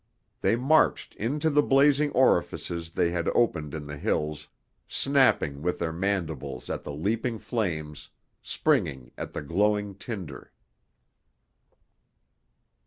They marched into the blazing orifices they had opened in the hills, snapping with their mandibles at the leaping flames, springing at the glowing tinder.